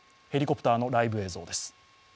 ヘリコプターのライブ映像です。